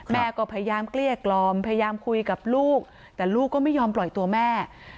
แม่ก็พยายามเกลี้ยกล่อมพยายามคุยกับลูกแต่ลูกก็ไม่ยอมปล่อยตัวแม่